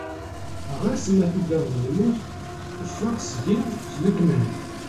Ɣas ma tugadeḍ lmut, ffeɣ seg-i s lekmal.